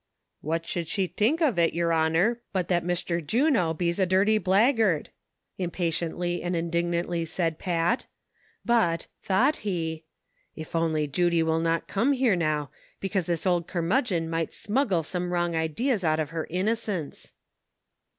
" What should she tink ov it, yer honor, but that Mishter Juno bees a dirty blackgard," impatiently and indignantly said Pat ; but, thought he, " If only Judy will not cum here now, becase this ould curmudgon mite smuggle some wrong idees out ov her innocence."